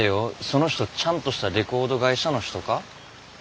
その人ちゃんとしたレコード会社の人か？